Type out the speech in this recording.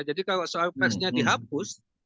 jadi kalau soal persnya dihapus